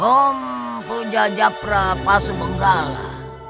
om puja japra pasu benggala